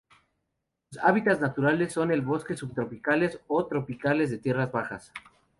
Sus hábitats naturales son los bosques subtropicales o tropicales de tierras bajas.